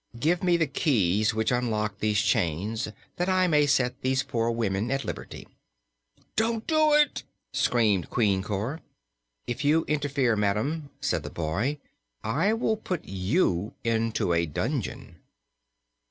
"Give me the keys which unlock these chains, that I may set these poor women at liberty." "Don't you do it!" screamed Queen Cor. "If you interfere, madam," said the boy, "I will put you into a dungeon."